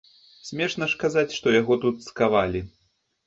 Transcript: Смешна ж казаць, што яго тут цкавалі.